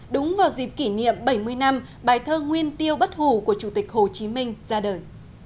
đúng vào dịp kỷ niệm bảy mươi năm bài thơ nguyên tiêu bất hủ của chủ tịch hồ chí minh ra đời